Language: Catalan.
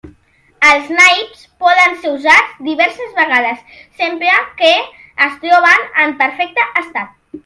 Els naips poden ser usats diverses vegades, sempre que es troben en perfecte estat.